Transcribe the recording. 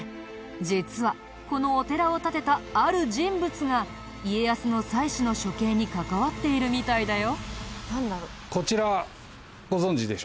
実はこのお寺を建てたある人物が家康の妻子の処刑に関わっているみたいだよ。